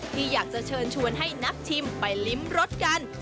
ที่อยากจะเชิญชวนให้นักชิมไปลิ้มรสกัน